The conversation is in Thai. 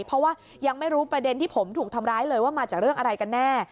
เพราะว่ายังไม่รู้ประเด็นที่ผมถูกทำร้ายเลยว่ามาจากเรื่องอะไรกันแน่